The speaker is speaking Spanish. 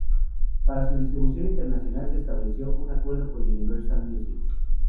Para su distribución internacional se estableció un acuerdo con Universal Music.